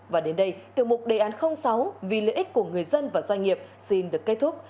và đến đây tiêu mục đề án sáu vì lợi ích của người dân và doanh nghiệp xin được kết thúc